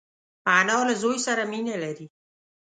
انا له زوی سره مینه لري